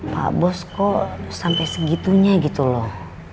pak bos kok sampai segitunya gitu loh